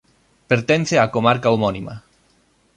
Pertence á comarca homónima.